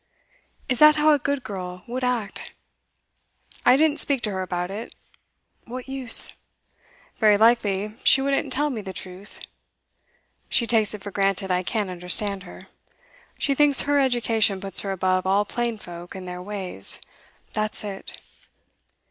Is that how a good girl would act? I didn't speak to her about it; what use? Very likely she wouldn't tell me the truth. She takes it for granted I can't understand her. She thinks her education puts her above all plain folk and their ways that's it.